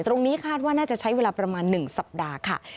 ตรงนี้คาดว่าน่าจะใช้เวลาประมาณ๑สัปดาห์ค่ะ